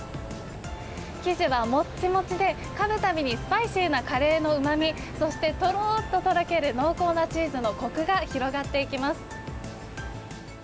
生地はもっちもちで、かむたびにスパイシーなカレーのうまみ、そしてとろーっととろける濃厚なチーズのこくが広がっていきます。